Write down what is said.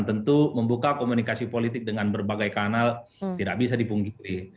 tentu membuka komunikasi politik dengan berbagai kanal tidak bisa dipungkiri